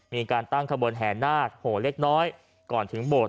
มีการตั้งขบวนแห่นาคโหเล็กน้อยก่อนถึงโบสถ